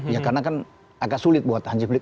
ya karena kan agak sulit buat hansi flick